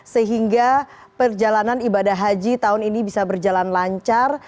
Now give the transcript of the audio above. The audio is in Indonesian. sehingga perjalanan ibadah haji tahun ini bisa berjalan lancar